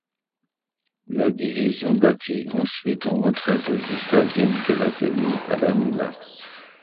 La division battit ensuite en retraite jusqu'à Vienne qu'elle atteignit à la mi-mars.